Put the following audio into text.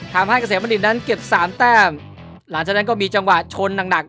ทำให้เกษมณ์ดินดังเก็บแต้มหลังจากนั้นก็มีจังหวะชนหนัก